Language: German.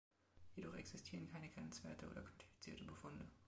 Jedoch existieren keine Grenzwerte oder quantifizierte Befunde.